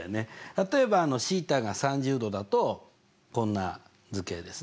例えばθが３０°だとこんな図形ですね。